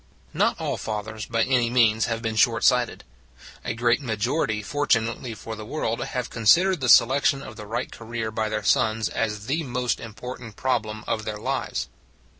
Not all fathers, by any means, have been shortsighted. A great majority, fortu nately for the world, have considered the selection of the right career by their sons as the most important problem of their lives.